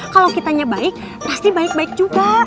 kalau kitanya baik pasti baik baik juga